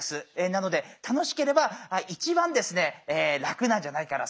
なので楽しければ一番ですね楽なんじゃないかな